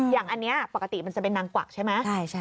อย่างอันนี้ปกติมันจะเป็นนางกวักใช่ไหม